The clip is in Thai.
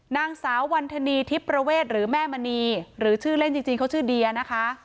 นางสาววันธนีทิพย์ประเวทหรือแม่มณีหรือชื่อเล่นจริงเขาชื่อเดียนะคะ